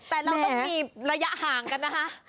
แต่เราต้องมีระยะห่างกันนะคะ